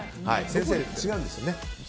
先生、違うんですよね。